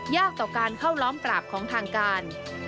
ต่อการเข้าล้อมปราบของทางการ